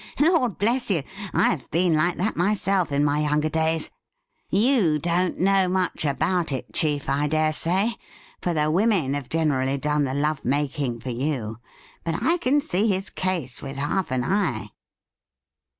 Lord bless you ! I have been like that myself in my younger days. You don't know much about it, chief, I dare say, for the women have generally done the love making for you. But I can see his case with half an eye.'